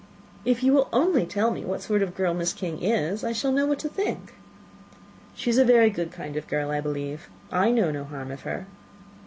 "If you will only tell me what sort of girl Miss King is, I shall know what to think." "She is a very good kind of girl, I believe. I know no harm of her."